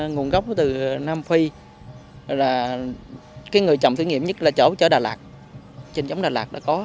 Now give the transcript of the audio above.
nguồn gốc từ nam phi là cái người trồng thử nghiệm nhất là chỗ ở đà lạt trên giống đà lạt đã có